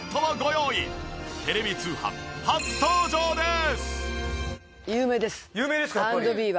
テレビ通販初登場です！